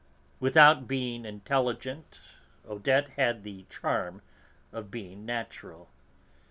Without being intelligent, Odette had the charm of being natural.